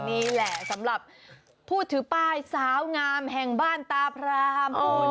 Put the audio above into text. นี่แหละสำหรับผู้ถือป้ายสาวงามแห่งบ้านตาพรามคุณ